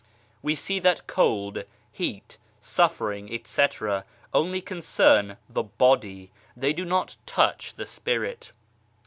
We see that cold, heat, suffering, etc., only concern the body, they do not touch the Spirit.